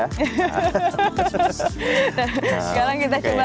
sekarang kita coba